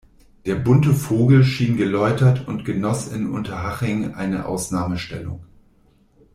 Der „bunte Vogel“ schien geläutert und genoss in Unterhaching eine Ausnahmestellung.